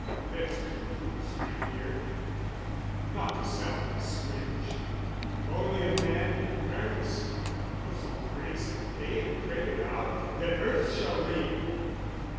There's no fool's freak here, nought to soundly swinge, Only a man in earnest, you'll so praise And pay and prate about, that earth shall ring!